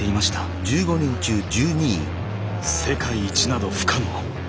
世界一など不可能。